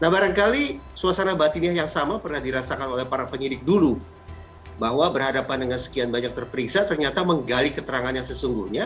nah barangkali suasana batin yang sama pernah dirasakan oleh para penyidik dulu bahwa berhadapan dengan sekian banyak terperiksa ternyata menggali keterangan yang sesungguhnya